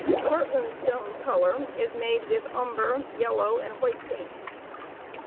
Tortland stone color is made with umber, yellow, and white paint.